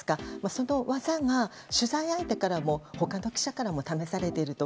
その技が取材相手からも他の記者からのためされていると。